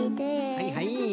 はいはい。